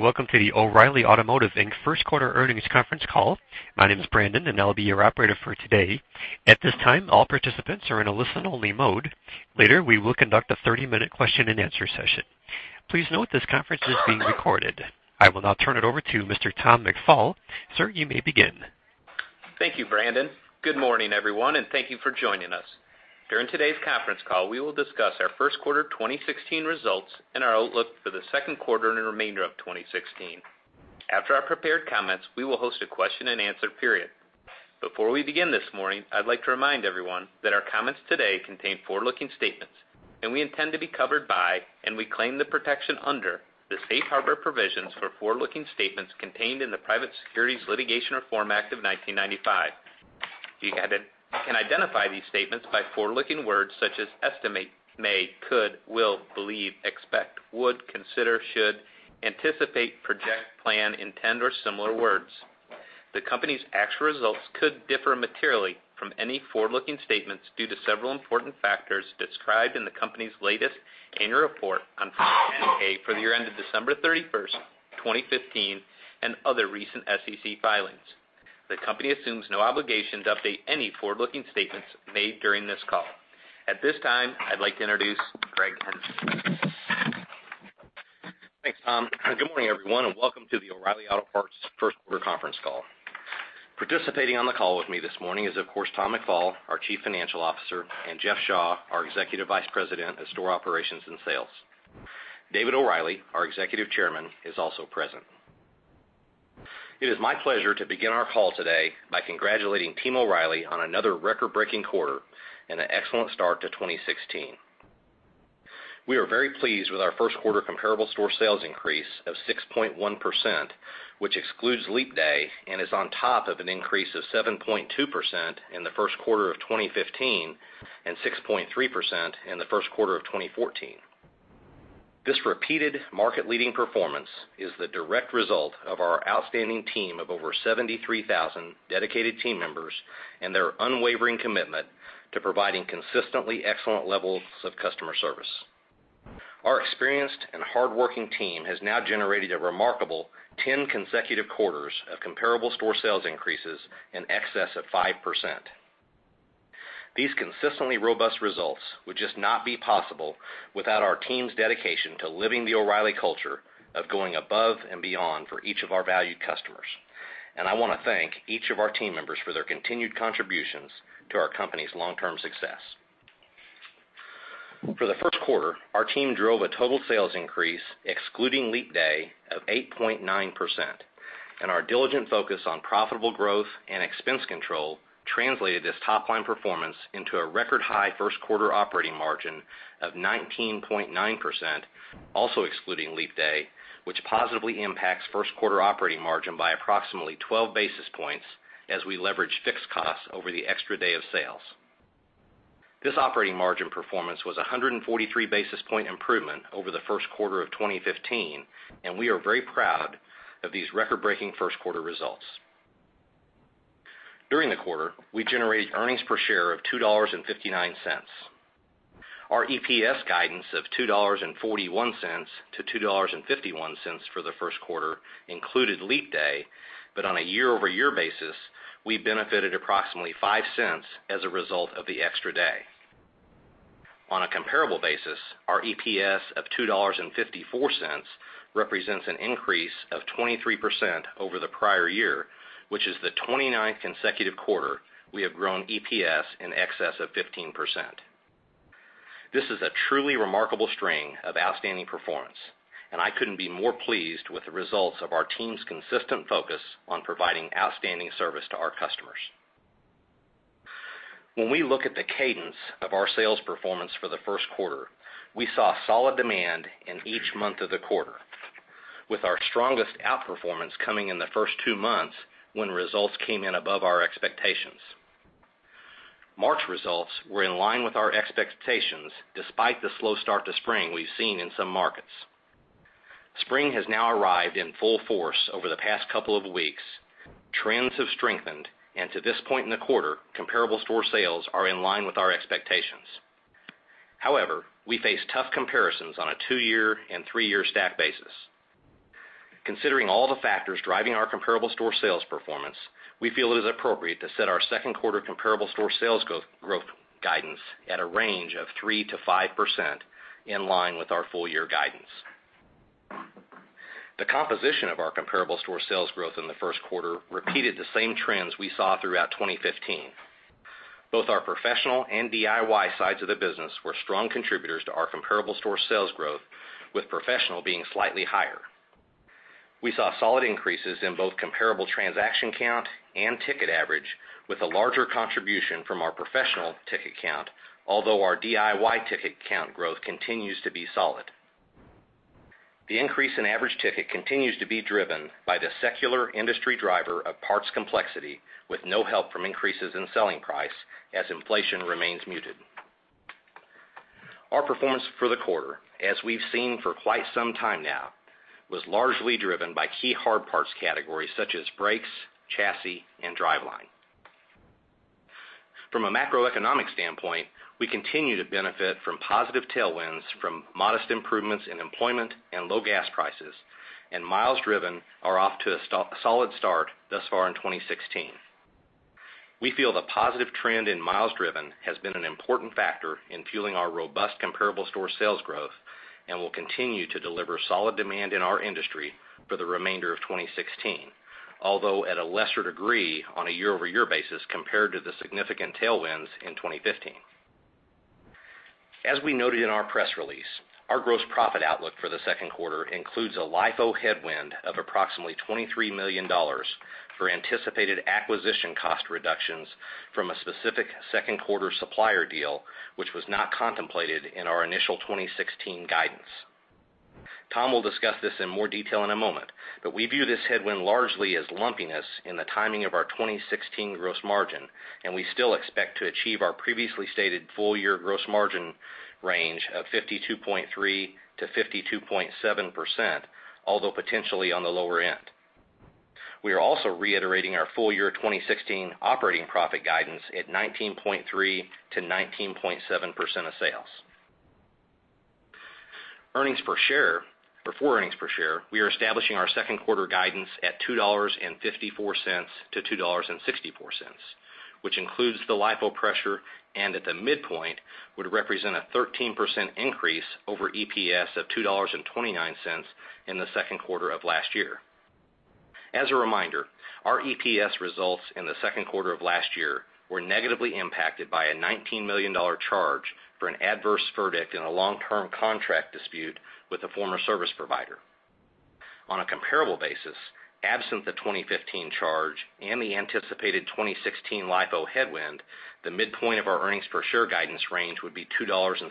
Welcome to the O’Reilly Automotive, Inc. First Quarter Earnings Conference Call. My name is Brandon, and I'll be your operator for today. At this time, all participants are in a listen-only mode. Later, we will conduct a 30-minute question-and-answer session. Please note this conference is being recorded. I will now turn it over to Mr. Tom McFall. Sir, you may begin. Thank you, Brandon. Good morning, everyone, and thank you for joining us. During today's conference call, we will discuss our first quarter 2016 results and our outlook for the second quarter and the remainder of 2016. After our prepared comments, we will host a question-and-answer period. Before we begin this morning, I'd like to remind everyone that our comments today contain forward-looking statements, and we intend to be covered by, and we claim the protection under, the safe harbor provisions for forward-looking statements contained in the Private Securities Litigation Reform Act of 1995. You can identify these statements by forward-looking words such as estimate, may, could, will, believe, expect, would, consider, should, anticipate, project, plan, intend, or similar words. The company's actual results could differ materially from any forward-looking statements due to several important factors described in the company's latest annual report on Form 10-K for the year ended December 31st, 2015 and other recent SEC filings. The company assumes no obligation to update any forward-looking statements made during this call. At this time, I'd like to introduce Greg Henslee. Thanks, Tom. Good morning, everyone, and welcome to the O'Reilly Auto Parts First Quarter Conference Call. Participating on the call with me this morning is, of course, Tom McFall, our Chief Financial Officer, and Jeff Shaw, our Executive Vice President of Store Operations and Sales. David O'Reilly, our Executive Chairman, is also present. It is my pleasure to begin our call today by congratulating Team O'Reilly on another record-breaking quarter and an excellent start to 2016. We are very pleased with our first quarter comparable store sales increase of 6.1%, which excludes leap day and is on top of an increase of 7.2% in the first quarter of 2015 and 6.3% in the first quarter of 2014. This repeated market-leading performance is the direct result of our outstanding team of over 73,000 dedicated team members and their unwavering commitment to providing consistently excellent levels of customer service. Our experienced and hardworking team has now generated a remarkable 10 consecutive quarters of comparable store sales increases in excess of 5%. These consistently robust results would just not be possible without our team's dedication to living the O’Reilly culture of going above and beyond for each of our valued customers. I want to thank each of our team members for their continued contributions to our company's long-term success. For the first quarter, our team drove a total sales increase, excluding leap day, of 8.9%. Our diligent focus on profitable growth and expense control translated this top-line performance into a record-high first quarter operating margin of 19.9%, also excluding leap day, which positively impacts first quarter operating margin by approximately 12 basis points as we leverage fixed costs over the extra day of sales. This operating margin performance was a 143-basis point improvement over the first quarter of 2015. We are very proud of these record-breaking first quarter results. During the quarter, we generated earnings per share of $2.59. Our EPS guidance of $2.41-$2.51 for the first quarter included leap day, but on a year-over-year basis, we benefited approximately $0.05 as a result of the extra day. On a comparable basis, our EPS of $2.54 represents an increase of 23% over the prior year, which is the 29th consecutive quarter we have grown EPS in excess of 15%. This is a truly remarkable string of outstanding performance. I couldn't be more pleased with the results of our team's consistent focus on providing outstanding service to our customers. When we look at the cadence of our sales performance for the first quarter, we saw solid demand in each month of the quarter, with our strongest outperformance coming in the first two months when results came in above our expectations. March results were in line with our expectations, despite the slow start to spring we've seen in some markets. Spring has now arrived in full force over the past couple of weeks. Trends have strengthened. To this point in the quarter, comparable store sales are in line with our expectations. However, we face tough comparisons on a two-year and three-year stack basis. Considering all the factors driving our comparable store sales performance, we feel it is appropriate to set our second quarter comparable store sales growth guidance at a range of 3%-5%, in line with our full-year guidance. The composition of our comparable store sales growth in the first quarter repeated the same trends we saw throughout 2015. Both our professional and DIY sides of the business were strong contributors to our comparable store sales growth, with professional being slightly higher. We saw solid increases in both comparable transaction count and ticket average, with a larger contribution from our professional ticket count, although our DIY ticket count growth continues to be solid. The increase in average ticket continues to be driven by the secular industry driver of parts complexity with no help from increases in selling price as inflation remains muted. Our performance for the quarter, as we've seen for quite some time now, was largely driven by key hard parts categories such as brakes, chassis, and driveline. From a macroeconomic standpoint, we continue to benefit from positive tailwinds from modest improvements in employment and low gas prices, and miles driven are off to a solid start thus far in 2016. We feel the positive trend in miles driven has been an important factor in fueling our robust comparable store sales growth and will continue to deliver solid demand in our industry for the remainder of 2016. Although at a lesser degree on a year-over-year basis, compared to the significant tailwinds in 2015. As we noted in our press release, our gross profit outlook for the second quarter includes a LIFO headwind of approximately $23 million for anticipated acquisition cost reductions from a specific second quarter supplier deal, which was not contemplated in our initial 2016 guidance. Tom will discuss this in more detail in a moment, but we view this headwind largely as lumpiness in the timing of our 2016 gross margin, and we still expect to achieve our previously stated full-year gross margin range of 52.3%-52.7%, although potentially on the lower end. We are also reiterating our full-year 2016 operating profit guidance at 19.3%-19.7% of sales. For earnings per share, we are establishing our second quarter guidance at $2.54-$2.64, which includes the LIFO pressure and at the midpoint, would represent a 13% increase over EPS of $2.29 in the second quarter of last year. As a reminder, our EPS results in the second quarter of last year were negatively impacted by a $19 million charge for an adverse verdict in a long-term contract dispute with a former service provider. On a comparable basis, absent the 2015 charge and the anticipated 2016 LIFO headwind, the midpoint of our earnings per share guidance range would be $2.74,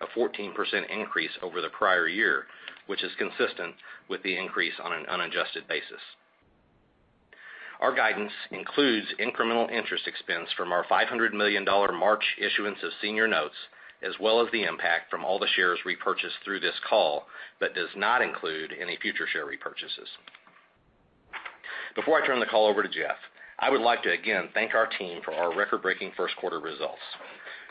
a 14% increase over the prior year, which is consistent with the increase on an unadjusted basis. Our guidance includes incremental interest expense from our $500 million March issuance of senior notes, as well as the impact from all the shares repurchased through this call, but does not include any future share repurchases. Before I turn the call over to Jeff, I would like to again thank our team for our record-breaking first quarter results.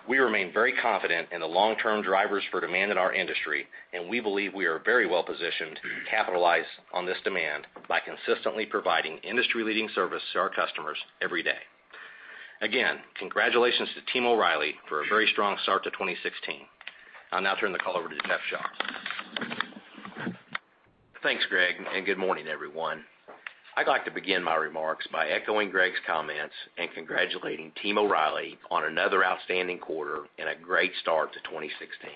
We remain very confident in the long-term drivers for demand in our industry, and we believe we are very well-positioned to capitalize on this demand by consistently providing industry-leading service to our customers every day. Again, congratulations to Team O’Reilly for a very strong start to 2016. I'll now turn the call over to Jeff Shaw. Thanks, Greg, good morning, everyone. I'd like to begin my remarks by echoing Greg's comments and congratulating Team O'Reilly on another outstanding quarter and a great start to 2016.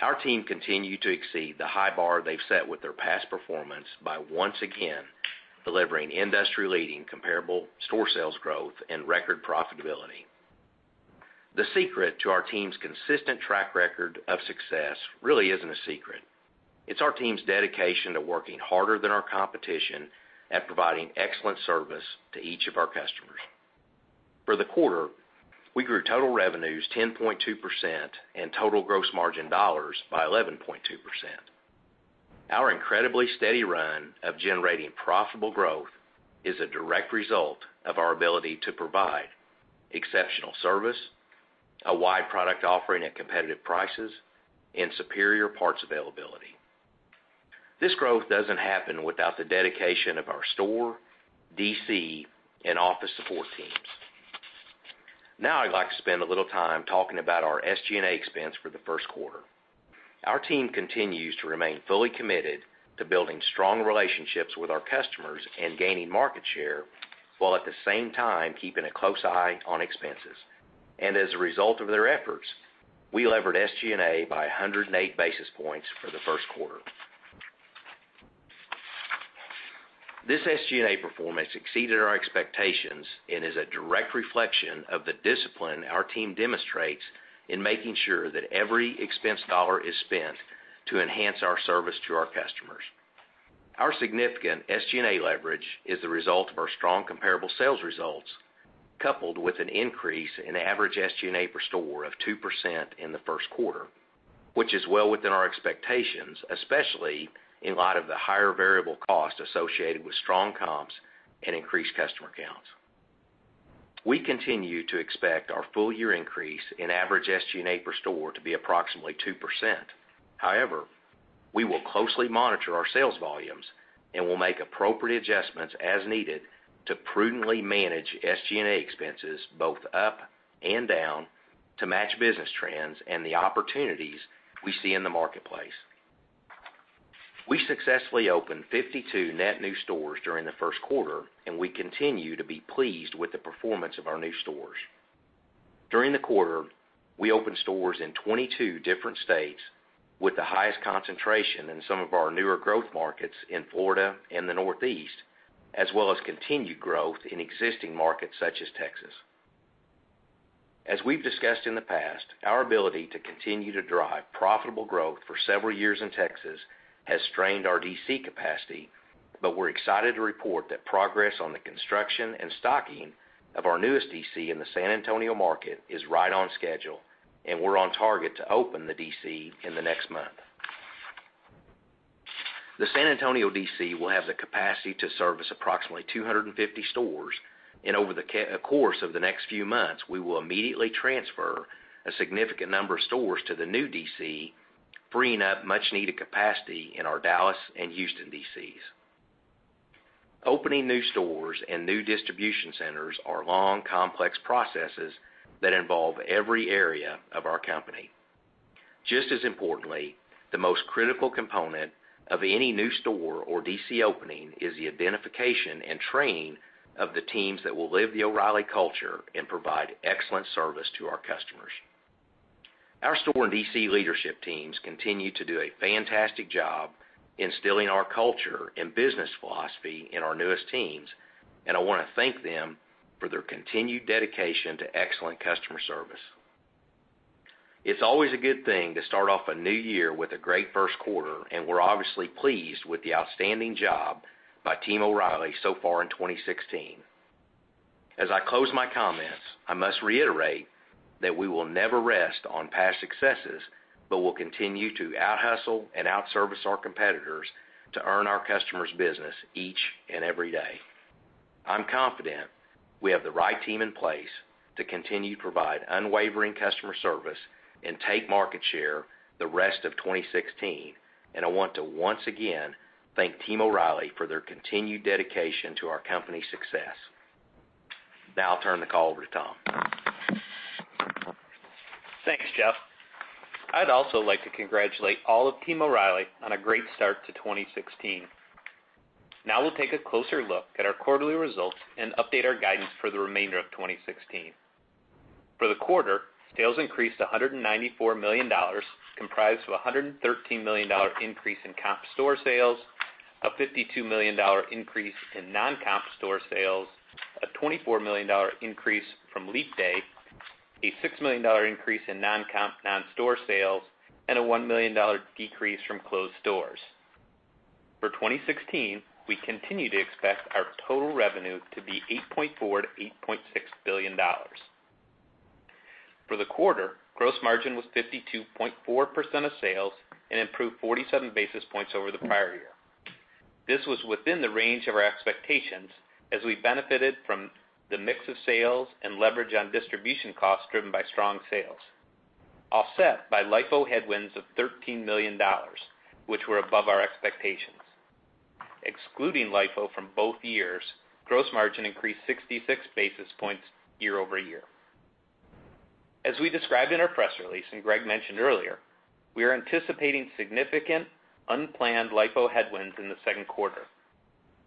Our team continued to exceed the high bar they've set with their past performance by once again delivering industry-leading comparable store sales growth and record profitability. The secret to our team's consistent track record of success really isn't a secret. It's our team's dedication to working harder than our competition at providing excellent service to each of our customers. For the quarter, we grew total revenues 10.2% and total gross margin dollars by 11.2%. Our incredibly steady run of generating profitable growth is a direct result of our ability to provide exceptional service, a wide product offering at competitive prices, and superior parts availability. This growth doesn't happen without the dedication of our store, DC, and office support teams. Now, I'd like to spend a little time talking about our SG&A expense for the first quarter. Our team continues to remain fully committed to building strong relationships with our customers and gaining market share, while at the same time, keeping a close eye on expenses. As a result of their efforts, we levered SG&A by 108 basis points for the first quarter. This SG&A performance exceeded our expectations and is a direct reflection of the discipline our team demonstrates in making sure that every expense dollar is spent to enhance our service to our customers. Our significant SG&A leverage is the result of our strong comparable sales results, coupled with an increase in average SG&A per store of 2% in the first quarter, which is well within our expectations, especially in light of the higher variable costs associated with strong comps and increased customer counts. We continue to expect our full-year increase in average SG&A per store to be approximately 2%. However, we will closely monitor our sales volumes and will make appropriate adjustments as needed to prudently manage SG&A expenses both up and down to match business trends and the opportunities we see in the marketplace. We successfully opened 52 net new stores during the first quarter, we continue to be pleased with the performance of our new stores. During the quarter, we opened stores in 22 different states with the highest concentration in some of our newer growth markets in Florida and the Northeast, as well as continued growth in existing markets such as Texas. As we've discussed in the past, our ability to continue to drive profitable growth for several years in Texas has strained our DC capacity, we're excited to report that progress on the construction and stocking of our newest DC in the San Antonio market is right on schedule, we're on target to open the DC in the next month. The San Antonio DC will have the capacity to service approximately 250 stores. Over the course of the next few months, we will immediately transfer a significant number of stores to the new DC, freeing up much needed capacity in our Dallas and Houston DCs. Opening new stores and new distribution centers are long, complex processes that involve every area of our company. Just as importantly, the most critical component of any new store or DC opening is the identification and training of the teams that will live the O’Reilly culture and provide excellent service to our customers. Our store and DC leadership teams continue to do a fantastic job instilling our culture and business philosophy in our newest teams, and I want to thank them for their continued dedication to excellent customer service. It's always a good thing to start off a new year with a great first quarter, and we're obviously pleased with the outstanding job by Team O’Reilly so far in 2016. As I close my comments, I must reiterate that we will never rest on past successes, but will continue to out-hustle and out-service our competitors to earn our customers' business each and every day. I'm confident we have the right team in place to continue to provide unwavering customer service and take market share the rest of 2016, and I want to once again thank Team O’Reilly for their continued dedication to our company's success. I'll turn the call over to Tom. Thanks, Jeff. I'd also like to congratulate all of Team O’Reilly on a great start to 2016. We'll take a closer look at our quarterly results and update our guidance for the remainder of 2016. For the quarter, sales increased to $194 million, comprised of $113 million increase in comp store sales, a $52 million increase in non-comp store sales, a $24 million increase from leap day, a $6 million increase in non-comp non-store sales, and a $1 million decrease from closed stores. For 2016, we continue to expect our total revenue to be $8.4 billion-$8.6 billion. For the quarter, gross margin was 52.4% of sales and improved 47 basis points over the prior year. This was within the range of our expectations as we benefited from the mix of sales and leverage on distribution costs driven by strong sales, offset by LIFO headwinds of $13 million, which were above our expectations. Excluding LIFO from both years, gross margin increased 66 basis points year-over-year. As we described in our press release and Greg mentioned earlier, we are anticipating significant unplanned LIFO headwinds in the second quarter.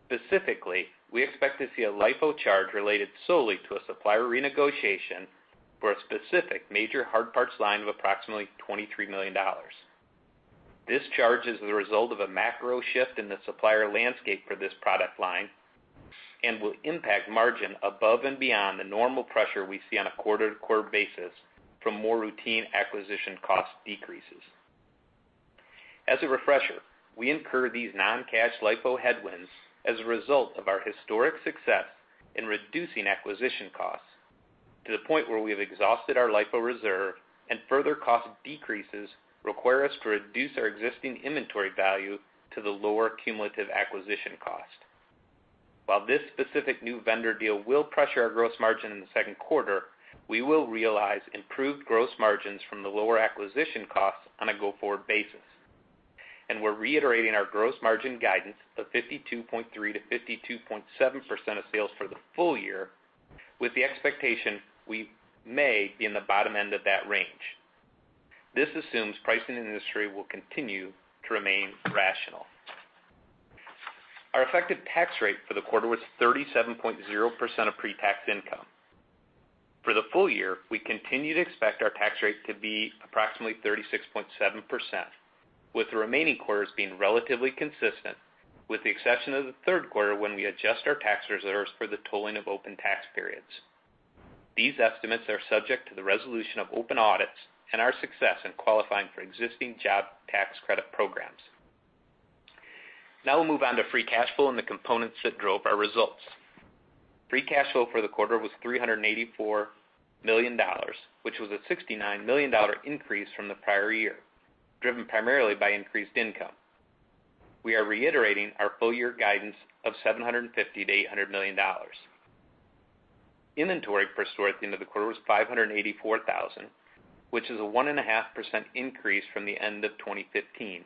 Specifically, we expect to see a LIFO charge related solely to a supplier renegotiation for a specific major hard parts line of approximately $23 million. This charge is the result of a macro shift in the supplier landscape for this product line and will impact margin above and beyond the normal pressure we see on a quarter-to-quarter basis from more routine acquisition cost decreases. As a refresher, we incur these non-cash LIFO headwinds as a result of our historic success in reducing acquisition costs to the point where we have exhausted our LIFO reserve and further cost decreases require us to reduce our existing inventory value to the lower cumulative acquisition cost. While this specific new vendor deal will pressure our gross margin in the second quarter, we will realize improved gross margins from the lower acquisition costs on a go-forward basis. We're reiterating our gross margin guidance of 52.3%-52.7% of sales for the full year with the expectation we may be in the bottom end of that range. This assumes pricing in the industry will continue to remain rational. Our effective tax rate for the quarter was 37.0% of pre-tax income. For the full year, we continue to expect our tax rate to be approximately 36.7%, with the remaining quarters being relatively consistent, with the exception of the third quarter when we adjust our tax reserves for the tolling of open tax periods. These estimates are subject to the resolution of open audits and our success in qualifying for existing job tax credit programs. We'll move on to free cash flow and the components that drove our results. Free cash flow for the quarter was $384 million, which was a $69 million increase from the prior year, driven primarily by increased income. We are reiterating our full year guidance of $750 million-$800 million. Inventory per store at the end of the quarter was 584,000, which is a 1.5% increase from the end of 2015.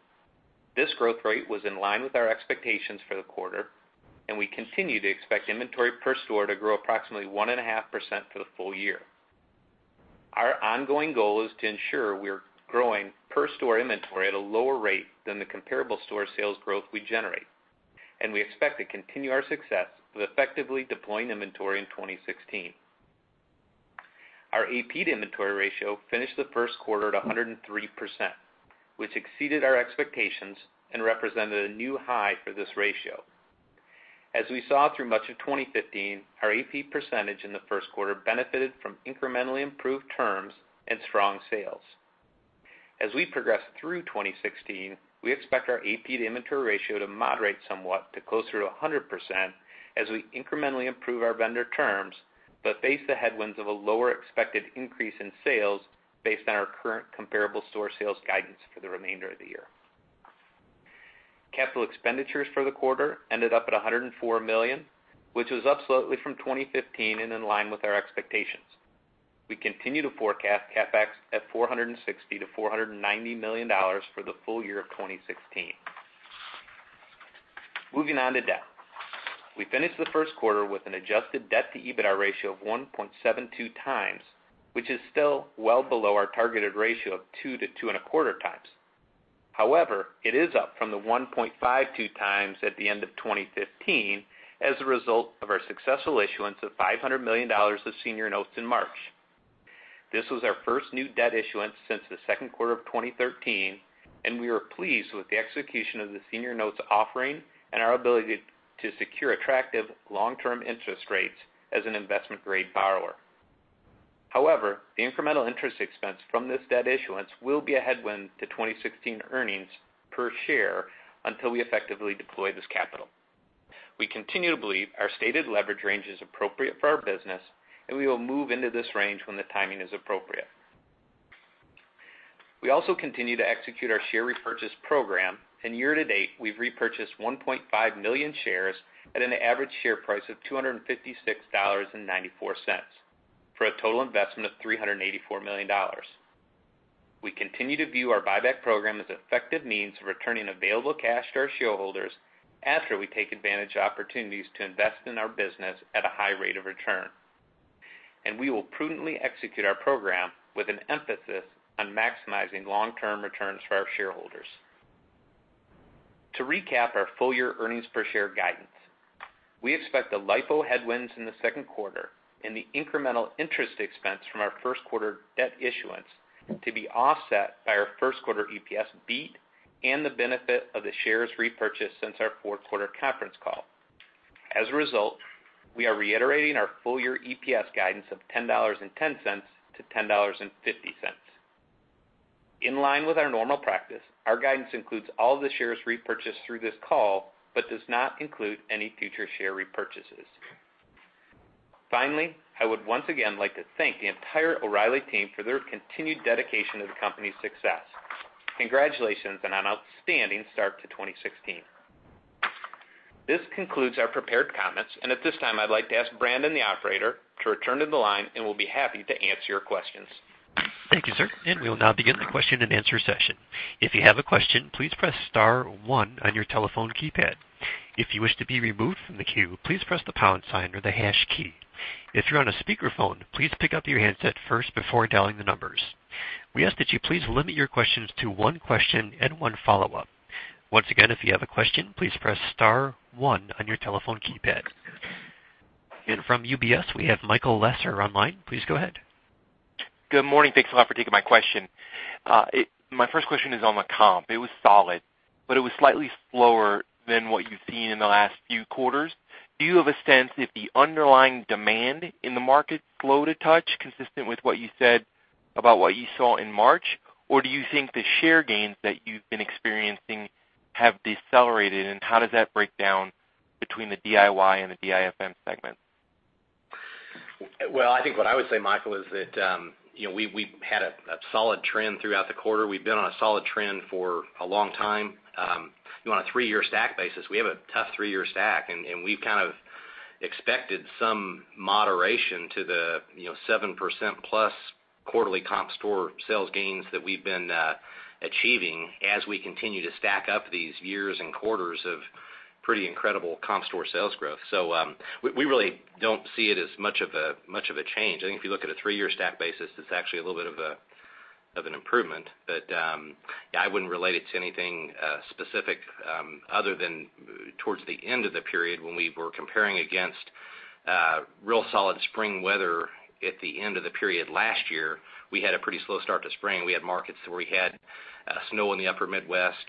This growth rate was in line with our expectations for the quarter. We continue to expect inventory per store to grow approximately 1.5% for the full year. Our ongoing goal is to ensure we are growing per store inventory at a lower rate than the comparable store sales growth we generate. We expect to continue our success with effectively deploying inventory in 2016. Our AP to inventory ratio finished the first quarter at 103%, which exceeded our expectations and represented a new high for this ratio. We saw through much of 2015, our AP percentage in the first quarter benefited from incrementally improved terms and strong sales. We progress through 2016, we expect our AP to inventory ratio to moderate somewhat to closer to 100%. Face the headwinds of a lower expected increase in sales based on our current comparable store sales guidance for the remainder of the year. Capital expenditures for the quarter ended up at $104 million, which was up slightly from 2015 and in line with our expectations. We continue to forecast CapEx at $460 million-$490 million for the full year of 2016. Moving on to debt. We finished the first quarter with an adjusted debt to EBITDA ratio of 1.72 times, which is still well below our targeted ratio of 2-2.25 times. It is up from the 1.52 times at the end of 2015 as a result of our successful issuance of $500 million of senior notes in March. This was our first new debt issuance since the second quarter of 2013, and we are pleased with the execution of the senior notes offering and our ability to secure attractive long-term interest rates as an investment-grade borrower. The incremental interest expense from this debt issuance will be a headwind to 2016 earnings per share until we effectively deploy this capital. We continue to believe our stated leverage range is appropriate for our business, and we will move into this range when the timing is appropriate. We also continue to execute our share repurchase program, and year to date, we've repurchased 1.5 million shares at an average share price of $256.94, for a total investment of $384 million. We continue to view our buyback program as effective means of returning available cash to our shareholders after we take advantage of opportunities to invest in our business at a high rate of return. We will prudently execute our program with an emphasis on maximizing long-term returns for our shareholders. To recap our full-year earnings per share guidance, we expect the LIFO headwinds in the second quarter and the incremental interest expense from our first quarter debt issuance to be offset by our first quarter EPS beat and the benefit of the shares repurchase since our fourth quarter conference call. As a result, we are reiterating our full-year EPS guidance of $10.10 to $10.50. In line with our normal practice, our guidance includes all the shares repurchased through this call but does not include any future share repurchases. Finally, I would once again like to thank the entire O’Reilly team for their continued dedication to the company's success. Congratulations on an outstanding start to 2016. This concludes our prepared comments, and at this time, I'd like to ask Brandon, the operator, to return to the line, and we'll be happy to answer your questions. Thank you, sir. We will now begin the question and answer session. If you have a question, please press star one on your telephone keypad. If you wish to be removed from the queue, please press the pound sign or the hash key. If you're on a speakerphone, please pick up your handset first before dialing the numbers. We ask that you please limit your questions to one question and one follow-up. Once again, if you have a question, please press star one on your telephone keypad. From UBS, we have Michael Lasser online. Please go ahead. Good morning. Thanks a lot for taking my question. My first question is on the comp. It was solid, it was slightly slower than what you've seen in the last few quarters. Do you have a sense if the underlying demand in the market slowed a touch, consistent with what you said about what you saw in March? Do you think the share gains that you've been experiencing have decelerated, and how does that break down between the DIY and the DIFM segments? Well, I think what I would say, Michael, is that we've had a solid trend throughout the quarter. We've been on a solid trend for a long time. On a three-year stack basis, we have a tough three-year stack, we've kind of expected some moderation to the 7%+ quarterly comp store sales gains that we've been achieving as we continue to stack up these years and quarters of pretty incredible comp store sales growth. We really don't see it as much of a change. I think if you look at a three-year stack basis, it's actually a little bit of an improvement. I wouldn't relate it to anything specific other than towards the end of the period when we were comparing against real solid spring weather at the end of the period last year. We had a pretty slow start to spring. We had markets where we had snow in the upper Midwest,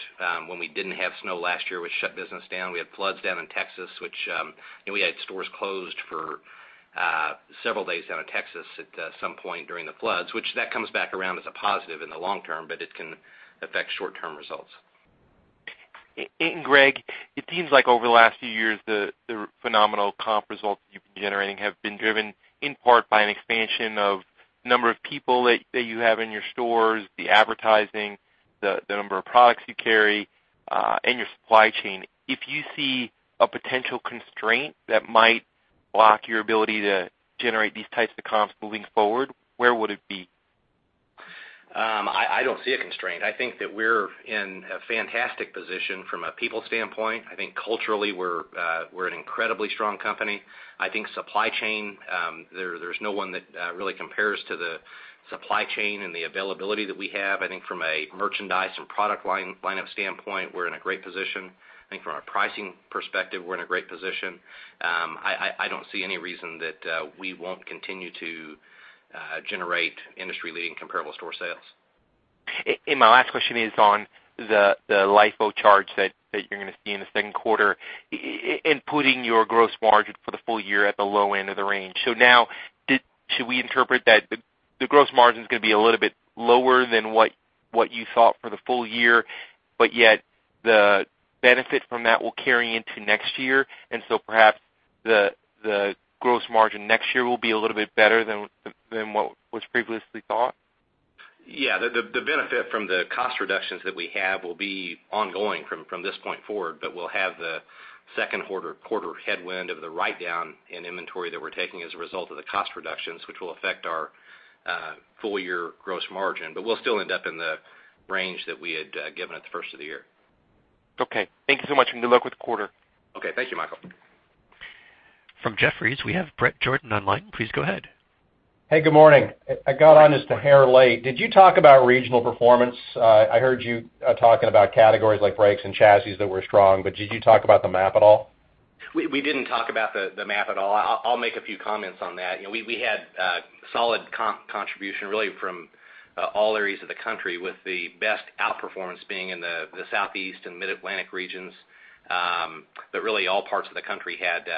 when we didn't have snow last year, which shut business down. We had floods down in Texas. We had stores closed for several days down in Texas at some point during the floods, which that comes back around as a positive in the long term, but it can affect short-term results. Greg, it seems like over the last few years, the phenomenal comp results you've been generating have been driven in part by an expansion of number of people that you have in your stores, the advertising, the number of products you carry, and your supply chain. If you see a potential constraint that might block your ability to generate these types of comps moving forward, where would it be? I don't see a constraint. I think that we're in a fantastic position from a people standpoint. I think culturally, we're an incredibly strong company. I think supply chain, there's no one that really compares to the supply chain and the availability that we have. I think from a merchandise and product lineup standpoint, we're in a great position. I think from a pricing perspective, we're in a great position. I don't see any reason that we won't continue to generate industry-leading comparable store sales. My last question is on the LIFO charge that you're going to see in the second quarter, in putting your gross margin for the full year at the low end of the range. Now, should we interpret that the gross margin is going to be a little bit lower than what you thought for the full year, but yet The benefit from that will carry into next year, perhaps the gross margin next year will be a little bit better than what was previously thought? Yeah. The benefit from the cost reductions that we have will be ongoing from this point forward. We'll have the second quarter headwind of the write-down in inventory that we're taking as a result of the cost reductions, which will affect our full-year gross margin. We'll still end up in the range that we had given at the first of the year. Okay. Thank you so much, and good luck with the quarter. Okay. Thank you, Michael. From Jefferies, we have Bret Jordan online. Please go ahead. Hey, good morning. I got on just a hair late. Did you talk about regional performance? I heard you talking about categories like brakes and chassis that were strong, but did you talk about the map at all? We didn't talk about the map at all. I'll make a few comments on that. We had a solid contribution really from all areas of the country with the best outperformance being in the Southeast and Mid-Atlantic regions. Really all parts of the country had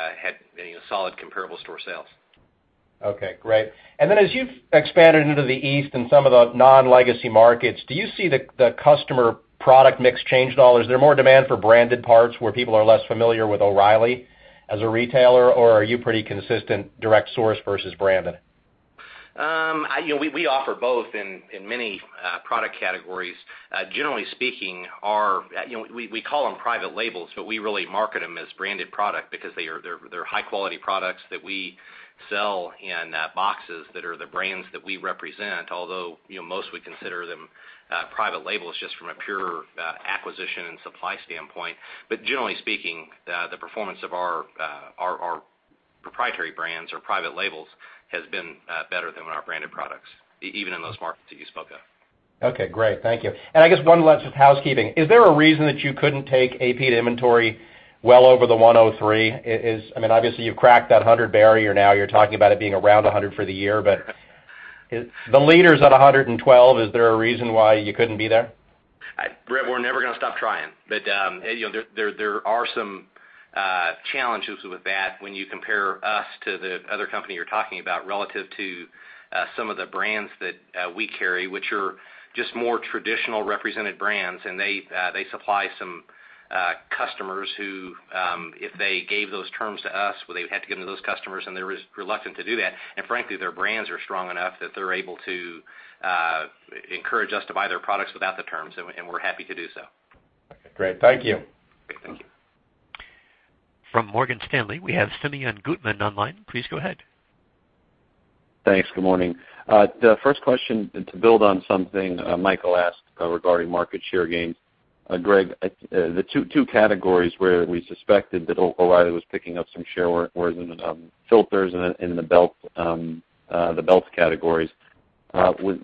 solid comparable store sales. Okay, great. As you've expanded into the East and some of the non-legacy markets, do you see the customer product mix change at all? Is there more demand for branded parts where people are less familiar with O'Reilly as a retailer, or are you pretty consistent direct source versus branded? We offer both in many product categories. Generally speaking, we call them private labels, but we really market them as branded product because they're high-quality products that we sell in boxes that are the brands that we represent. Most would consider them private labels just from a pure acquisition and supply standpoint. Generally speaking, the performance of our proprietary brands or private labels has been better than our branded products, even in those markets that you spoke of. Okay, great. Thank you. I guess one last housekeeping. Is there a reason that you couldn't take AP to inventory well over the 103? Obviously you've cracked that 100 barrier now, you're talking about it being around 100 for the year, the leaders at 112, is there a reason why you couldn't be there? Bret, we're never gonna stop trying, but there are some challenges with that when you compare us to the other company you're talking about relative to some of the brands that we carry, which are just more traditional represented brands. They supply some customers who, if they gave those terms to us, well, they would have to give them to those customers and they're reluctant to do that. Frankly, their brands are strong enough that they're able to encourage us to buy their products without the terms, and we're happy to do so. Okay, great. Thank you. Thank you. From Morgan Stanley, we have Simeon Gutman online. Please go ahead. Thanks. Good morning. The first question to build on something Michael asked regarding market share gains. Greg, the two categories where we suspected that O'Reilly was picking up some share were in the filters and in the belts categories. I don't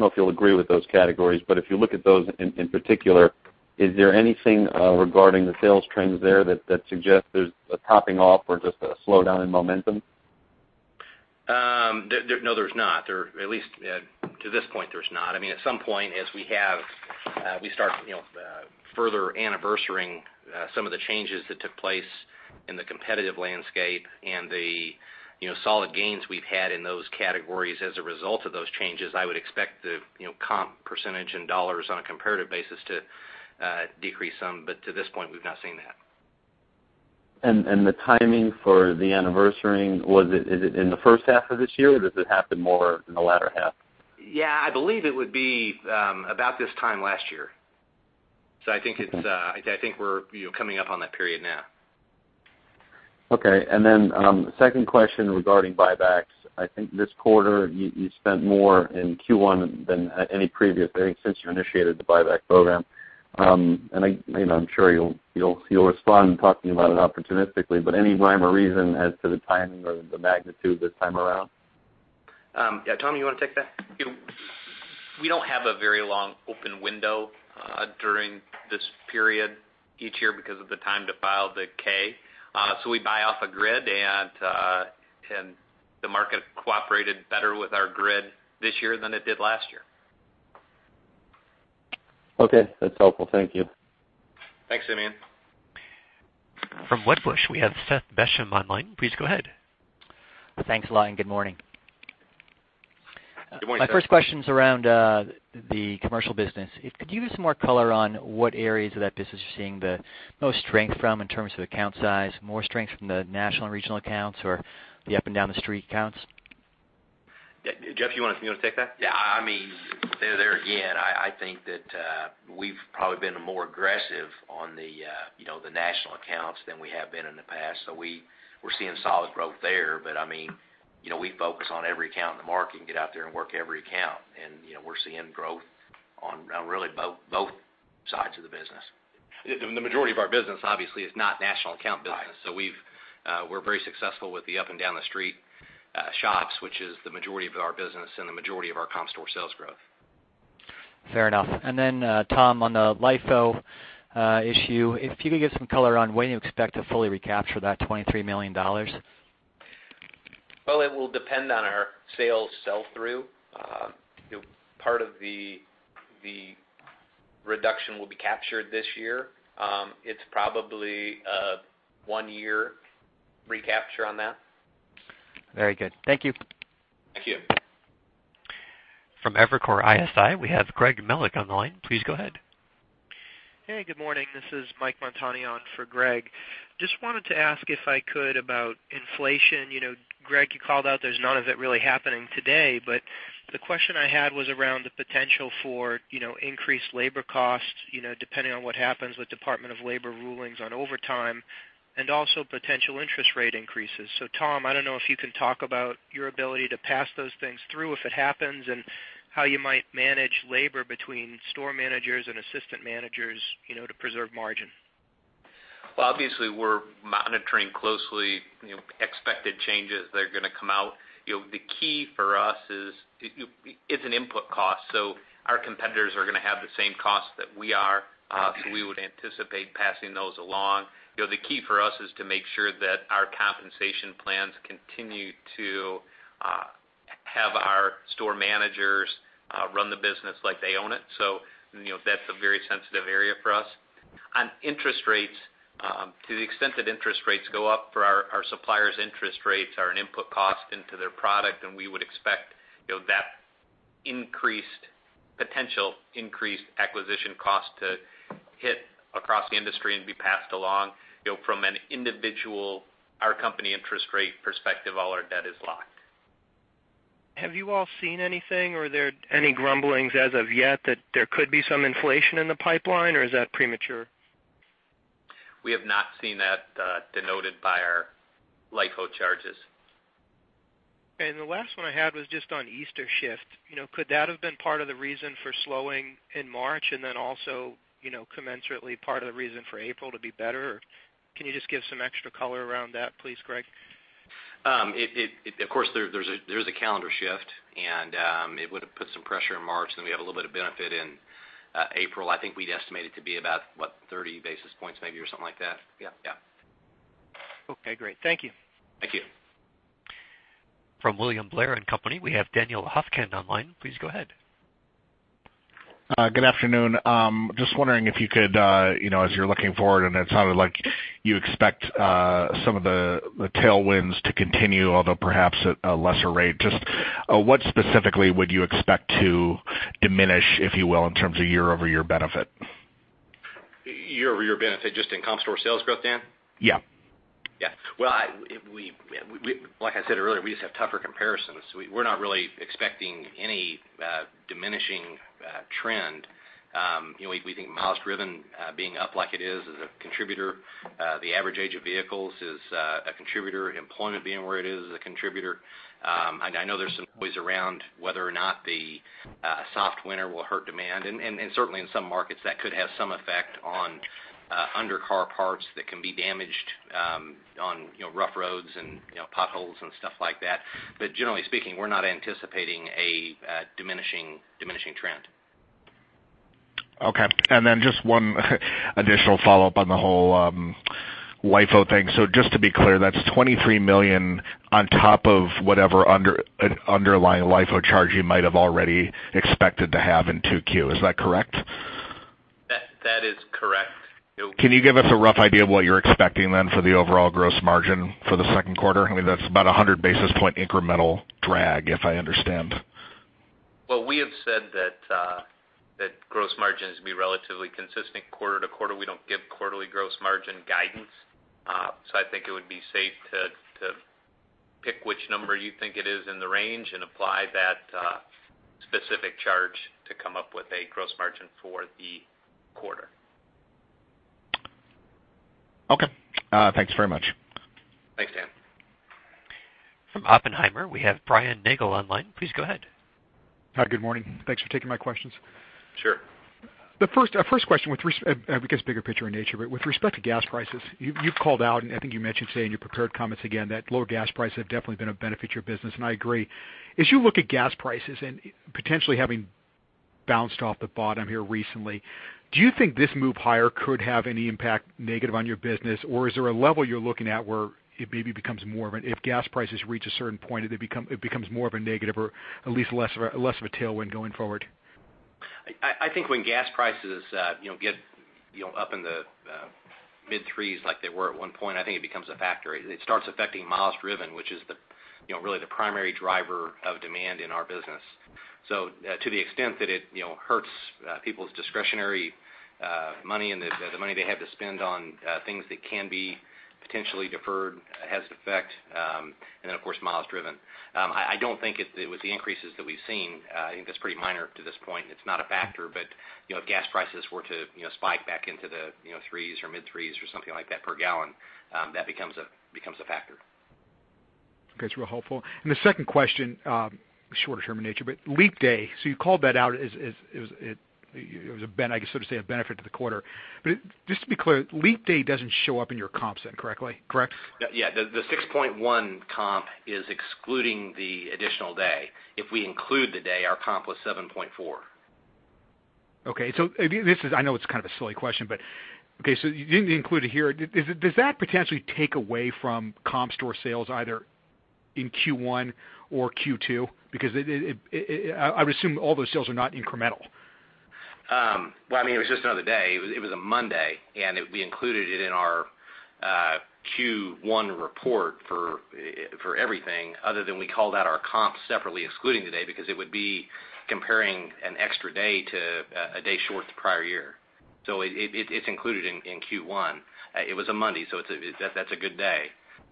know if you'll agree with those categories, but if you look at those in particular, is there anything regarding the sales trends there that suggests there's a topping off or just a slowdown in momentum? No, there's not. At least to this point, there's not. At some point, as we start further anniversarying some of the changes that took place in the competitive landscape and the solid gains we've had in those categories as a result of those changes, I would expect the comp percentage in dollars on a comparative basis to decrease some. To this point, we've not seen that. The timing for the anniversarying, is it in the first half of this year, or does it happen more in the latter half? Yeah, I believe it would be about this time last year. I think we're coming up on that period now. Okay. The second question regarding buybacks. I think this quarter, you spent more in Q1 than any previous, I think, since you initiated the buyback program. I'm sure you'll respond talking about it opportunistically, but any rhyme or reason as to the timing or the magnitude this time around? Yeah. Tom, you want to take that? We don't have a very long open window during this period each year because of the time to file the K. We buy off a grid, and the market cooperated better with our grid this year than it did last year. Okay. That's helpful. Thank you. Thanks, Simeon. From Wedbush, we have Seth Basham online. Please go ahead. Thanks a lot, good morning. Good morning, Seth. My first question's around the commercial business. Could you give some more color on what areas of that business you're seeing the most strength from in terms of account size? More strength from the national and regional accounts, or the up-and-down-the-street accounts? Jeff, you want to take that? Yeah. There again, I think that we've probably been more aggressive on the national accounts than we have been in the past. We're seeing solid growth there. We focus on every account in the market and get out there and work every account, and we're seeing growth on really both sides of the business. The majority of our business, obviously, is not national account business. Right. We're very successful with the up-and-down-the-street shops, which is the majority of our business and the majority of our comp store sales growth. Fair enough. Tom, on the LIFO issue, if you could give some color on when you expect to fully recapture that $23 million. It will depend on our sales sell-through. Part of the reduction will be captured this year. It's probably a one-year recapture on that. Very good. Thank you. Thank you. From Evercore ISI, we have Greg Melich on the line. Please go ahead. Hey, good morning. This is Mike Montani for Greg. Just wanted to ask, if I could, about inflation. Greg, you called out there's none of it really happening today, but the question I had was around the potential for increased labor costs, depending on what happens with United States Department of Labor rulings on overtime, and also potential interest rate increases. Tom, I don't know if you can talk about your ability to pass those things through if it happens, and how you might manage labor between store managers and assistant managers to preserve margin. Well, obviously, we're monitoring closely expected changes that are going to come out. The key for us is it's an input cost, our competitors are going to have the same cost that we are, we would anticipate passing those along. The key for us is to make sure that our compensation plans continue to have our store managers run the business like they own it. That's a very sensitive area for us. On interest rates, to the extent that interest rates go up for our suppliers' interest rates, are an input cost into their product, and we would expect that potential increased acquisition cost to hit across the industry and be passed along. From an individual, our company interest rate perspective, all our debt is locked. Have you all seen anything? Are there any grumblings as of yet that there could be some inflation in the pipeline, or is that premature? We have not seen that denoted by our LIFO charges. The last one I had was just on Easter shift. Could that have been part of the reason for slowing in March, then also commensurately part of the reason for April to be better? Can you just give some extra color around that, please, Greg? Of course, there was a calendar shift, and it would've put some pressure in March, then we have a little bit of benefit in April. I think we'd estimate it to be about, what, 30 basis points maybe, or something like that? Yeah. Okay, great. Thank you. Thank you. From William Blair & Company, we have Daniel Haughian on the line. Please go ahead. Good afternoon. Just wondering if you could, as you're looking forward, and it sounded like you expect some of the tailwinds to continue, although perhaps at a lesser rate, just what specifically would you expect to diminish, if you will, in terms of year-over-year benefit? Year-over-year benefit, just in comp store sales growth, Dan? Yeah. Yeah. Well, like I said earlier, we just have tougher comparisons. We're not really expecting any diminishing trend. We think miles driven being up like it is a contributor. The average age of vehicles is a contributor. Employment being where it is a contributor. I know there's some noise around whether or not the soft winter will hurt demand, and certainly in some markets, that could have some effect on undercar parts that can be damaged on rough roads and potholes and stuff like that. Generally speaking, we're not anticipating a diminishing trend. Okay. Just one additional follow-up on the whole LIFO thing. Just to be clear, that's $23 million on top of whatever underlying LIFO charge you might have already expected to have in 2Q, is that correct? That is correct. Can you give us a rough idea of what you're expecting, then, for the overall gross margin for the second quarter? I mean, that's about 100 basis points incremental drag, if I understand. Well, we have said that gross margin is going to be relatively consistent quarter-to-quarter. We don't give quarterly gross margin guidance. I think it would be safe to pick which number you think it is in the range and apply that specific charge to come up with a gross margin for the quarter. Okay. Thanks very much. Thanks, Dan. From Oppenheimer, we have Brian Nagel online. Please go ahead. Hi, good morning. Thanks for taking my questions. Sure. The first question, I guess bigger picture in nature. With respect to gas prices, you've called out, and I think you mentioned today in your prepared comments again, that lower gas prices have definitely been a benefit to your business. I agree. As you look at gas prices and potentially having bounced off the bottom here recently, do you think this move higher could have any impact negative on your business, or is there a level you're looking at where it maybe becomes more of an, if gas prices reach a certain point, it becomes more of a negative or at least less of a tailwind going forward? I think when gas prices get up in the mid threes like they were at one point, I think it becomes a factor. It starts affecting miles driven, which is really the primary driver of demand in our business. To the extent that it hurts people's discretionary money and the money they have to spend on things that can be potentially deferred, has an effect. Of course, miles driven. I don't think with the increases that we've seen, I think that's pretty minor to this point. It's not a factor. If gas prices were to spike back into the threes or mid threes or something like that per gallon, that becomes a factor. Okay, it's real helpful. The second question, shorter term in nature, Leap Day, you called that out as a, I guess you could say, a benefit to the quarter. Just to be clear, Leap Day doesn't show up in your comps then, correct? Yeah. The 6.1 comp is excluding the additional day. If we include the day, our comp was 7.4. Okay. I know it's kind of a silly question, okay, you didn't include it here. Does that potentially take away from comp store sales either in Q1 or Q2? I would assume all those sales are not incremental. Well, it was just another day. It was a Monday, we included it in our Q1 report for everything, other than we called out our comps separately, excluding today, it would be comparing an extra day to a day short the prior year. It's included in Q1. It was a Monday, that's a good day,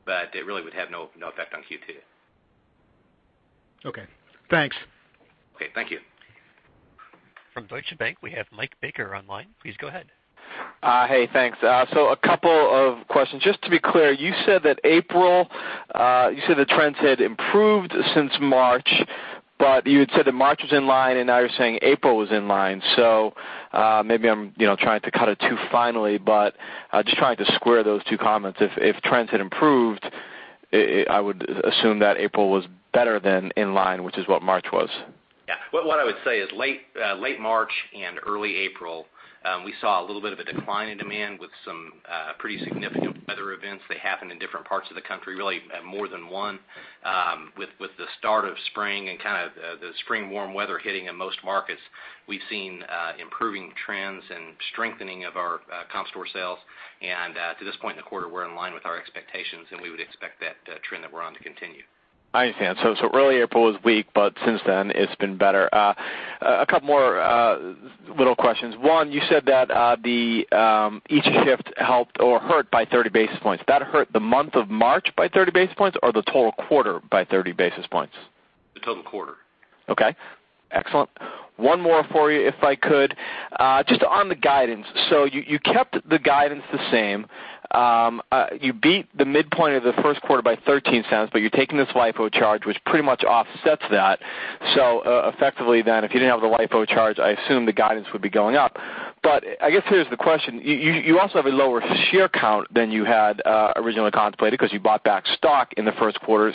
it really would have no effect on Q2. Okay, thanks. Okay, thank you. From Deutsche Bank, we have Michael Baker online. Please go ahead. Hey, thanks. A couple of questions. Just to be clear, you said that April, you said the trends had improved since March, but you had said that March was in line, and now you're saying April was in line. Maybe I'm trying to cut it too finely, but just trying to square those two comments. If trends had improved, I would assume that April was better than in line, which is what March was. Yeah. What I would say is late March and early April, we saw a little bit of a decline in demand with some pretty significant weather events that happened in different parts of the country, really more than one. With the start of spring and the spring warm weather hitting in most markets, we've seen improving trends and strengthening of our comp store sales. To this point in the quarter, we're in line with our expectations, and we would expect that trend that we're on to continue. I understand. Early April was weak, but since then, it's been better. A couple more little questions. One, you said that each shift helped or hurt by 30 basis points. That hurt the month of March by 30 basis points or the total quarter by 30 basis points? The total quarter. Okay, excellent. One more for you, if I could. Just on the guidance. You kept the guidance the same. You beat the midpoint of the first quarter by $0.13, but you're taking this LIFO charge, which pretty much offsets that. If you didn't have the LIFO charge, I assume the guidance would be going up. I guess here's the question. You also have a lower share count than you had originally contemplated because you bought back stock in the first quarter.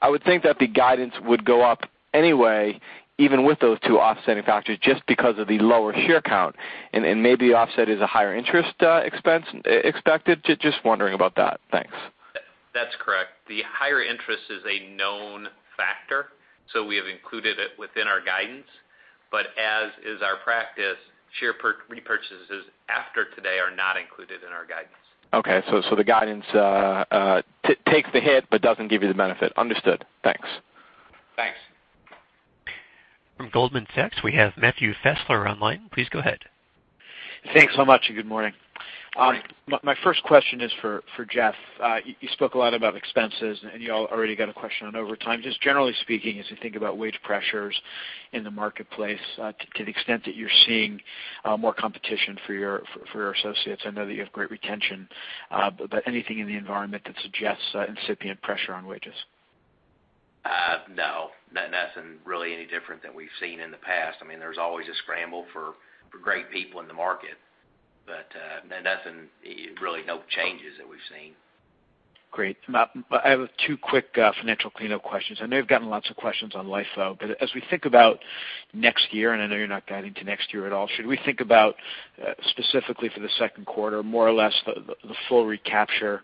I would think that the guidance would go up anyway, even with those two offsetting factors, just because of the lower share count and maybe offset is a higher interest expense expected? Just wondering about that. Thanks. That's correct. The higher interest is a known factor. We have included it within our guidance. As is our practice, share repurchases after today are not included in our guidance. Okay. The guidance takes the hit but doesn't give you the benefit. Understood. Thanks. Thanks. From Goldman Sachs, we have Matthew Fassler online. Please go ahead. Thanks so much. Good morning. My first question is for Jeff. You spoke a lot about expenses. You all already got a question on overtime. Just generally speaking, as you think about wage pressures in the marketplace, to the extent that you're seeing more competition for your associates. I know that you have great retention. Anything in the environment that suggests incipient pressure on wages? No. Nothing really any different than we've seen in the past. There's always a scramble for great people in the market. Nothing, really no changes that we've seen. Great. I have two quick financial cleanup questions. I know you've gotten lots of questions on LIFO, as we think about next year, and I know you're not guiding to next year at all, should we think about specifically for the second quarter, more or less, the full recapture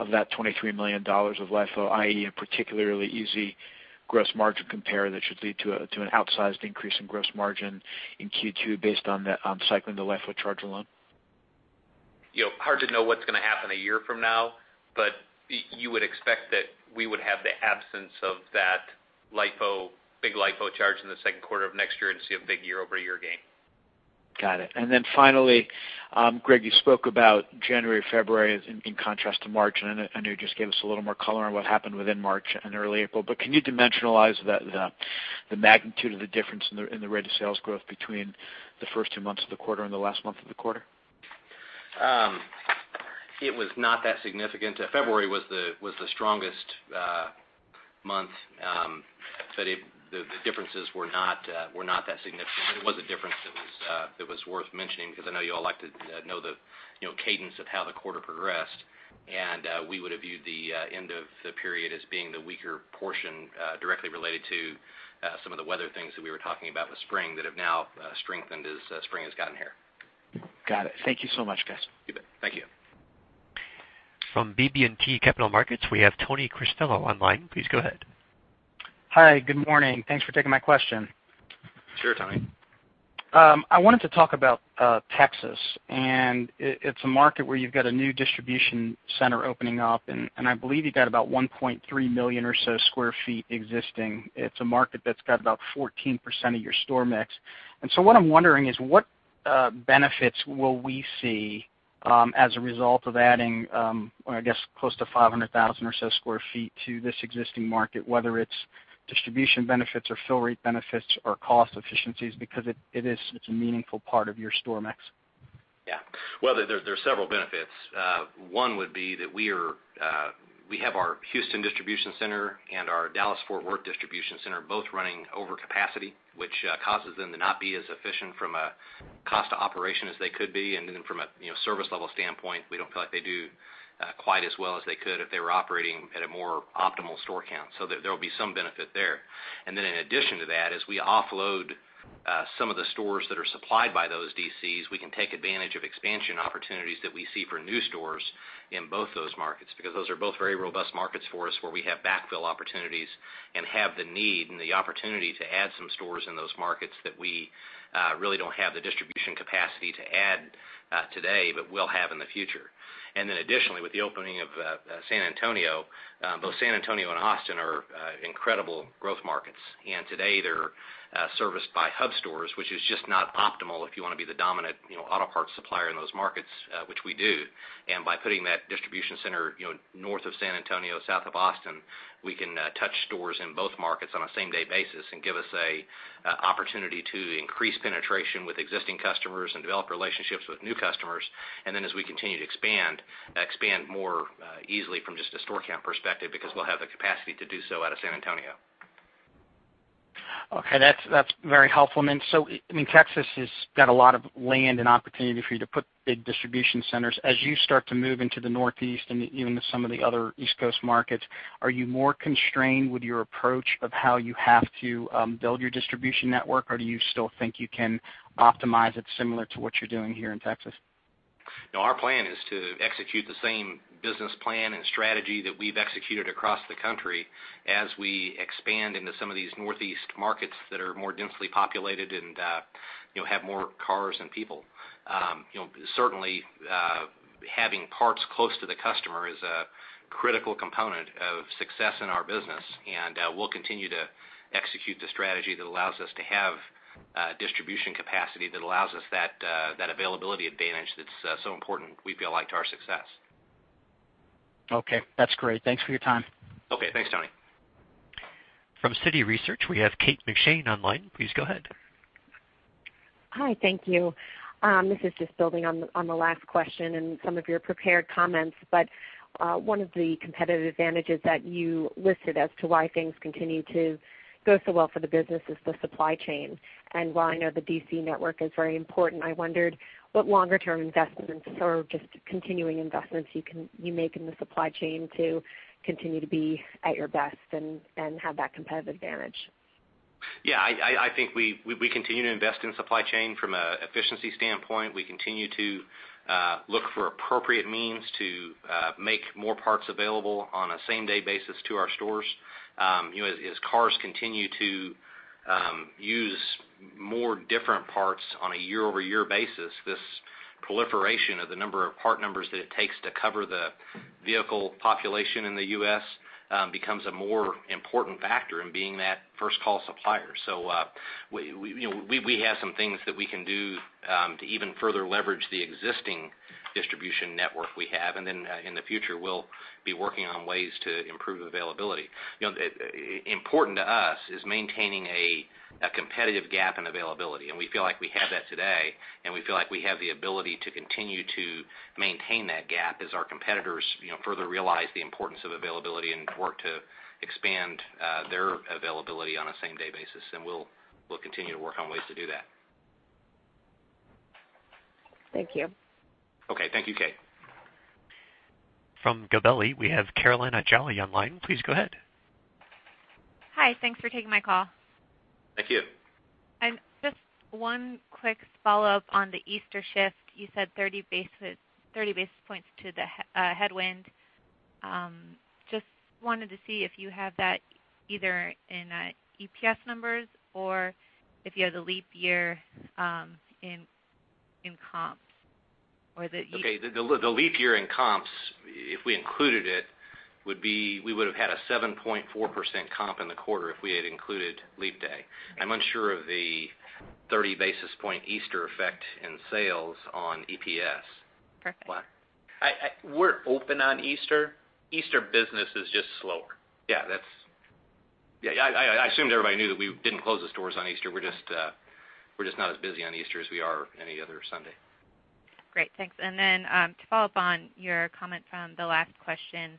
of that $23 million of LIFO, i.e., a particularly easy gross margin compare that should lead to an outsized increase in gross margin in Q2 based on cycling the LIFO charge alone? Hard to know what's going to happen a year from now, you would expect that we would have the absence of that big LIFO charge in the second quarter of next year and see a big year-over-year gain. Got it. Finally, Greg, you spoke about January, February in contrast to March, and I know you just gave us a little more color on what happened within March and early April. Can you dimensionalize the magnitude of the difference in the rate of sales growth between the first two months of the quarter and the last month of the quarter? It was not that significant. February was the strongest month. The differences were not that significant. It was a difference that was worth mentioning because I know you all like to know the cadence of how the quarter progressed. We would have viewed the end of the period as being the weaker portion, directly related to some of the weather things that we were talking about in the spring that have now strengthened as spring has gotten here. Got it. Thank you so much, guys. You bet. Thank you. From BB&T Capital Markets, we have Anthony Cristello online. Please go ahead. Hi, good morning. Thanks for taking my question. Sure, Tony. I wanted to talk about Texas. It's a market where you've got a new distribution center opening up, and I believe you got about 1.3 million or so square feet existing. It's a market that's got about 14% of your store mix. What I'm wondering is what benefits will we see as a result of adding, I guess, close to 500,000 or so square feet to this existing market, whether it's distribution benefits or fill rate benefits or cost efficiencies, because it is such a meaningful part of your store mix. Well, there's several benefits. One would be that we have our Houston distribution center and our Dallas-Fort Worth distribution center both running over capacity, which causes them to not be as efficient from a cost of operation as they could be. From a service level standpoint, we don't feel like they do quite as well as they could if they were operating at a more optimal store count. There will be some benefit there. In addition to that, as we offload some of the stores that are supplied by those DCs, we can take advantage of expansion opportunities that we see for new stores in both those markets, because those are both very robust markets for us where we have backfill opportunities and have the need and the opportunity to add some stores in those markets that we really don't have the distribution capacity to add today, but will have in the future. Additionally, Of San Antonio, both San Antonio and Austin are incredible growth markets, and today they're serviced by hub stores, which is just not optimal if you want to be the dominant auto parts supplier in those markets, which we do. By putting that distribution center north of San Antonio, south of Austin, we can touch stores in both markets on a same-day basis and give us a opportunity to increase penetration with existing customers and develop relationships with new customers. As we continue to expand more easily from just a store count perspective, because we'll have the capacity to do so out of San Antonio. Okay. That's very helpful. Texas has got a lot of land and opportunity for you to put big distribution centers. As you start to move into the Northeast and even to some of the other East Coast markets, are you more constrained with your approach of how you have to build your distribution network, or do you still think you can optimize it similar to what you're doing here in Texas? No, our plan is to execute the same business plan and strategy that we've executed across the country as we expand into some of these Northeast markets that are more densely populated and have more cars and people. Certainly, having parts close to the customer is a critical component of success in our business, and we'll continue to execute the strategy that allows us to have distribution capacity, that allows us that availability advantage that's so important, we feel like, to our success. Okay. That's great. Thanks for your time. Okay. Thanks, Tony. From Citi Research, we have Kate McShane online. Please go ahead. Hi. Thank you. This is just building on the last question and some of your prepared comments. One of the competitive advantages that you listed as to why things continue to go so well for the business is the supply chain. While I know the DC network is very important, I wondered what longer-term investments or just continuing investments you make in the supply chain to continue to be at your best and have that competitive advantage. I think we continue to invest in supply chain from an efficiency standpoint. We continue to look for appropriate means to make more parts available on a same-day basis to our stores. As cars continue to use more different parts on a year-over-year basis, this proliferation of the number of part numbers that it takes to cover the vehicle population in the U.S. becomes a more important factor in being that first-call supplier. We have some things that we can do to even further leverage the existing distribution network we have, and then in the future, we'll be working on ways to improve availability. Important to us is maintaining a competitive gap in availability, and we feel like we have that today, and we feel like we have the ability to continue to maintain that gap as our competitors further realize the importance of availability and work to expand their availability on a same-day basis. We'll continue to work on ways to do that. Thank you. Okay. Thank you, Kate. From Gabelli, we have Carolina Jolly online. Please go ahead. Hi. Thanks for taking my call. Thank you. Just one quick follow-up on the Easter shift. You said 30 basis points to the headwind. Just wanted to see if you have that either in EPS numbers or if you have the leap year in comps. Okay. The leap year in comps, if we included it, we would've had a 7.4% comp in the quarter if we had included leap day. I'm unsure of the 30 basis point Easter effect in sales on EPS. Perfect. We're open on Easter. Easter business is just slower. Yeah. I assumed everybody knew that we didn't close the stores on Easter. We're just not as busy on Easter as we are any other Sunday. Great. Thanks. To follow up on your comment from the last question,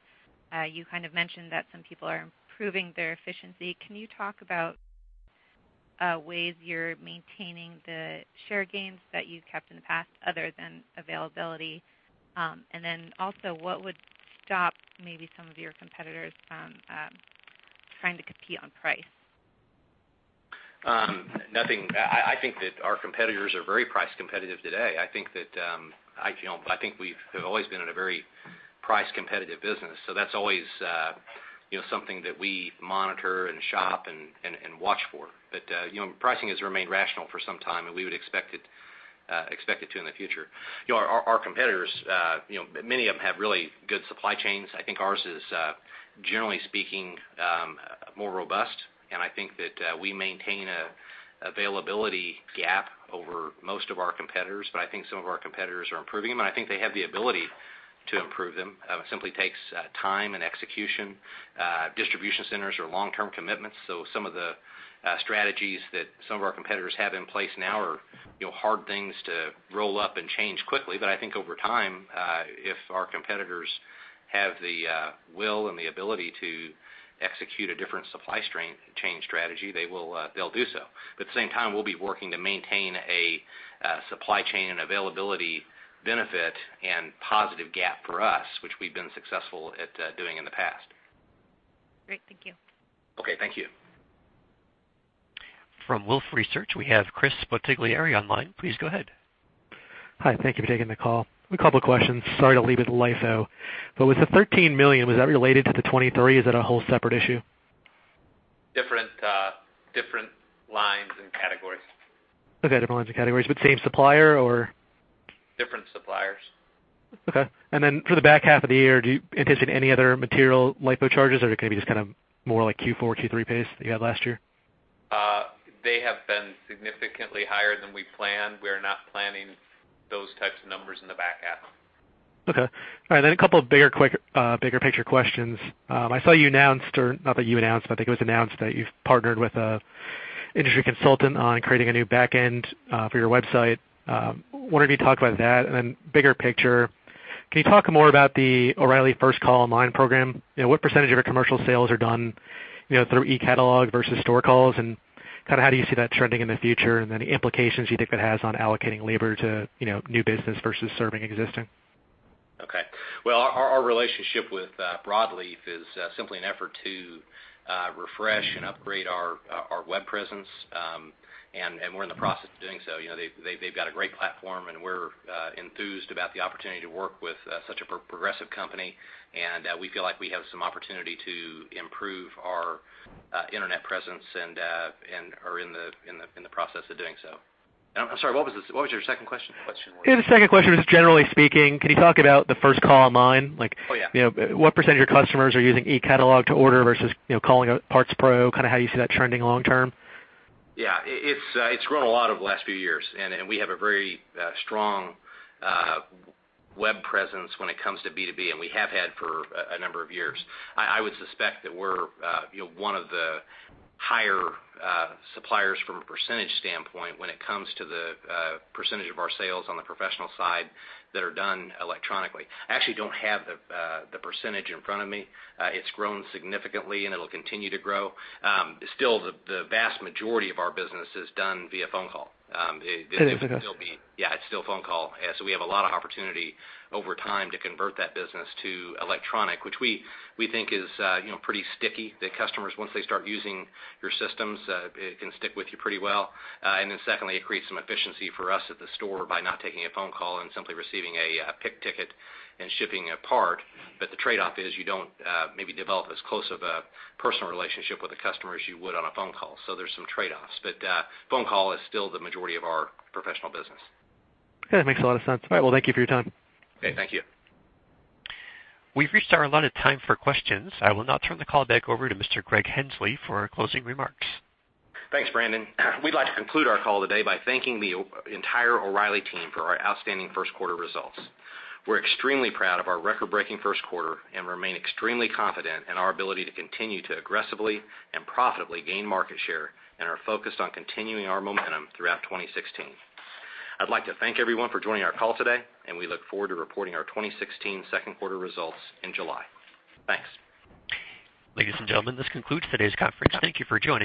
you kind of mentioned that some people are improving their efficiency. Can you talk about ways you're maintaining the share gains that you've kept in the past, other than availability? What would stop maybe some of your competitors from trying to compete on price? Nothing. I think that our competitors are very price competitive today. I think we've always been in a very price-competitive business, so that's always something that we monitor and shop and watch for. Pricing has remained rational for some time, and we would expect it to in the future. Our competitors, many of them have really good supply chains. I think ours is, generally speaking, more robust, and I think that we maintain a availability gap over most of our competitors. I think some of our competitors are improving them, and I think they have the ability to improve them. It simply takes time and execution. Distribution centers are long-term commitments, so some of the strategies that some of our competitors have in place now are hard things to roll up and change quickly. I think over time, if our competitors have the will and the ability to execute a different supply chain strategy, they'll do so. At the same time, we'll be working to maintain a supply chain and availability benefit and positive gap for us, which we've been successful at doing in the past. Great. Thank you. Okay, thank you. From Wolfe Research, we have Chris Spatiglieri online. Please go ahead. Hi. Thank you for taking the call. A couple of questions. Sorry to leave LIFO. With the $13 million, was that related to the 2023, or is that a whole separate issue? Different Okay. Different lines of categories, but same supplier or? Different suppliers. Okay. For the back half of the year, do you anticipate any other material LIFO charges, or are they going to be just more like Q4, Q3 pace that you had last year? They have been significantly higher than we planned. We are not planning those types of numbers in the back half. Okay. All right. A couple of bigger picture questions. I saw you announced, or not that you announced, but I think it was announced that you've partnered with an industry consultant on creating a new backend for your website. Wondered if you'd talk about that. Bigger picture, can you talk more about the O'Reilly First Call Online? What % of your commercial sales are done through e-catalog versus store calls, and how do you see that trending in the future? The implications you think that has on allocating labor to new business versus serving existing. Okay. Well, our relationship with Broadleaf is simply an effort to refresh and upgrade our web presence, and we're in the process of doing so. They've got a great platform, and we're enthused about the opportunity to work with such a progressive company, and we feel like we have some opportunity to improve our internet presence and are in the process of doing so. I'm sorry, what was your second question? Yeah, the second question was, generally speaking, can you talk about the First Call Online? Oh, yeah. What % of your customers are using e-catalog to order versus calling Parts Pro? How do you see that trending long term? Yeah. It's grown a lot over the last few years, and we have a very strong web presence when it comes to B2B, and we have had for a number of years. I would suspect that we're one of the higher suppliers from a % standpoint when it comes to the % of our sales on the professional side that are done electronically. I actually don't have the % in front of me. It's grown significantly, and it'll continue to grow. Still, the vast majority of our business is done via phone call. Okay. Yeah, it's still phone call. We have a lot of opportunity over time to convert that business to electronic, which we think is pretty sticky. The customers, once they start using your systems, can stick with you pretty well. Secondly, it creates some efficiency for us at the store by not taking a phone call and simply receiving a pick ticket and shipping a part. The trade-off is you don't maybe develop as close of a personal relationship with a customer as you would on a phone call. There's some trade-offs, but phone call is still the majority of our professional business. Okay, that makes a lot of sense. All right, well, thank you for your time. Okay, thank you. We've reached our allotted time for questions. I will now turn the call back over to Mr. Greg Henslee for closing remarks. Thanks, Brandon. We'd like to conclude our call today by thanking the entire O'Reilly team for our outstanding first quarter results. We're extremely proud of our record-breaking first quarter and remain extremely confident in our ability to continue to aggressively and profitably gain market share and are focused on continuing our momentum throughout 2016. I'd like to thank everyone for joining our call today, and we look forward to reporting our 2016 second quarter results in July. Thanks. Ladies and gentlemen, this concludes today's conference. Thank you for joining.